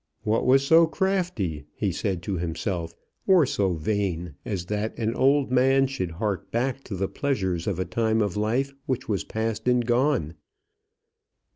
What was so crafty, he said to himself, or so vain as that an old man should hark back to the pleasures of a time of life which was past and gone!